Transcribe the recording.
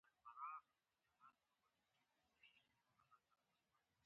یو ښه افغاني پلیټ خواړه مې مخې ته کېښودل.